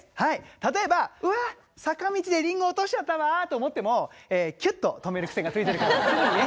例えば、うわあ、坂道でりんごを落としちゃったわと思ってもきゅっと止める癖がついているから、すぐにね。